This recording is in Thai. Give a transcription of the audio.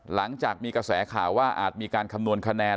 หลังจากมีกระแสข่าวว่าอาจมีการคำนวณคะแนน